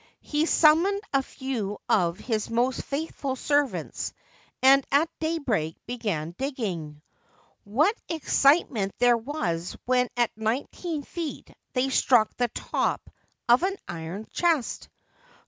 He summoned a few of his most faithful servants, and at daybreak began digging. What excitement there was when at nineteen feet they struck the top of an iron chest